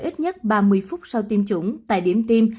ít nhất ba mươi phút sau tiêm chủng tại điểm tiêm